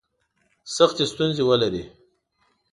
سختي ستونزي ولري.